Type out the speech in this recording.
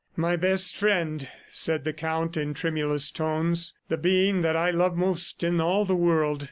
"My best friend," said the Count in tremulous tones. "The being that I love most in all the world.